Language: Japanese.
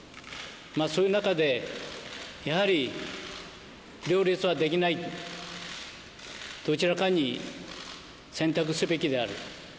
そういう中でやはり両立はできない、どちらかに選択すべきである。